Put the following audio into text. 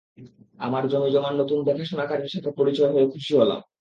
আমার জমিজমার নতুন দেখাশোনাকারীর সাথে পরিচয় হয়ে খুশি হলাম।